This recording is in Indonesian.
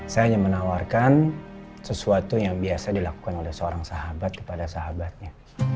saya hanya menawarkan sesuatu yang biasa dilakukan oleh seorang sahabat kepada sahabatnya